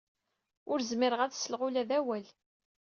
Ur zmireɣ ad sleɣ ula d awal.